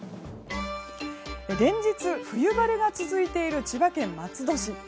連日冬晴れが続いている千葉県松戸市。